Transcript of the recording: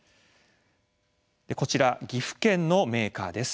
こちらは岐阜県各務原市のメーカーです。